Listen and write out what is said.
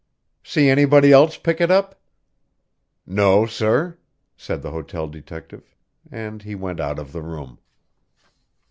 "See anybody else pick it up?" "No, sir," said the hotel detective; and he went out of the room.